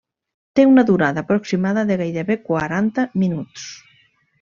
Té una durada aproximada de gairebé quaranta minuts.